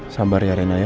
sabar ya rena ya